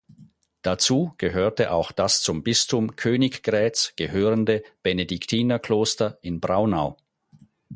Dazu gehörte auch das zum Bistum Königgrätz gehörende Benediktinerkloster in Braunau.